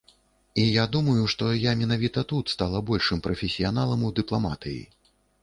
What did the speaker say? І я думаю, што я менавіта тут стала большым прафесіяналам у дыпламатыі.